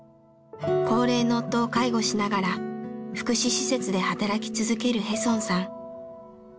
高齢の夫を介護しながら福祉施設で働き続けるヘソンさん。